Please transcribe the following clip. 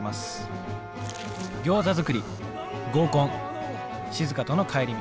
ギョーザ作り合コンしずかとの帰り道。